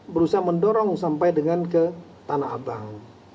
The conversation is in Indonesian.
berusaha mendorong sampai dengan ke tanah abang